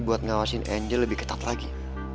buat ngawasin angele lebih ketat lagi